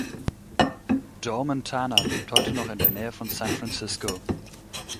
Joe Montana lebt heute in der Nähe von San Francisco.